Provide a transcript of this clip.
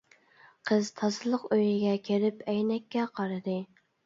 قىز تازىلىق ئۆيىگە كىرىپ، ئەينەككە قارىدى.